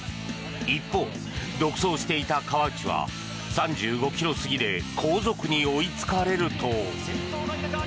一方、独走していた川内は３５ｋｍ過ぎで後続に追いつかれると。